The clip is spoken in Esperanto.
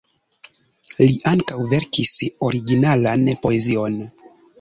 Li ankaŭ verkis originalan poezion.